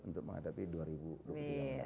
untuk menghadapi dua ribu dua puluh yang datang